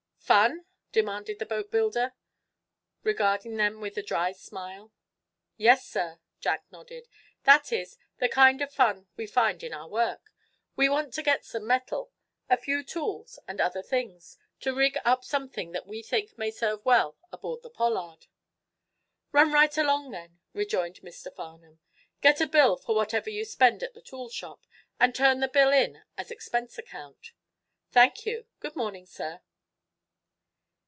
"Fun?" demanded the boatbuilder, regard them with a dry smile. "Yes, sir," Jack nodded. "That is, the kind of fun we find in our work. We want to get some metal, a few tools and other things, to rig up something that we think may serve well aboard the 'Pollard.'" "Run right along then," rejoined Mr. Farnum. "Get a bill for whatever you spend at the toolshop and turn the bill in as expense account." "Thank you. Good morning, sir."